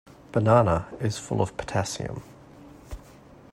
Banana is full of potassium.